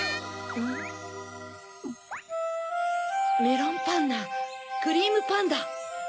メロンパンナクリームパンダ。